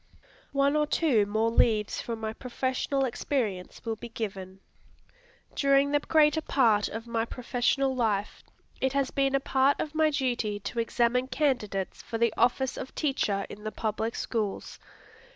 One or two more leaves from my professional experience will be given. During the greater part of my professional life, it has been a part of my duty to examine candidates for the office of teacher in the public schools.